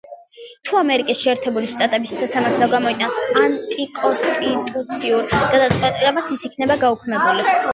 თუ ამერიკის შეერთებული შტატების სასამართლო გამოიტანს ანტიკონსტიტუციურ გადაწყვეტილებას ის იქნება გაუქმებული.